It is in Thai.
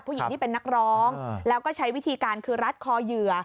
ผู้หญิงที่เป็นนักร้องแล้วก็ใช้วิธีการคือรัดคอเหยื่อ